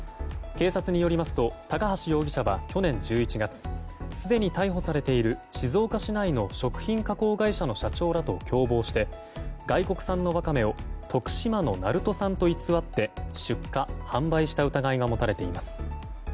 警察によりますと高橋容疑者は去年１１月すでに逮捕されている静岡市内の食品加工会社の社長らと共謀して外国産のワカメを徳島の鳴門産と偽って出荷・販売した疑いが持たれています。